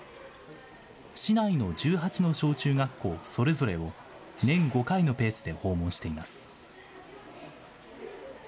市内の１８の小中学校それぞれを年５回のペースで訪問しています。